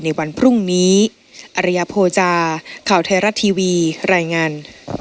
ในวันพรุ่งนี้อริยโภจาข่าวไทยรัฐทีวีรายงาน